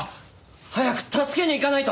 早く助けに行かないと！